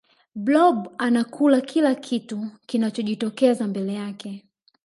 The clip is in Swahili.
blob anakula kila kitu kinachojitokeza mbele yake